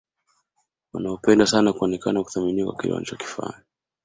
wanaopenda sana kuonekana na kuthaminiwa kwa kile wanachokifanya